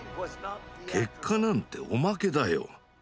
結果なんておまけだよ。